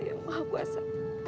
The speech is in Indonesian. yang maha kuasa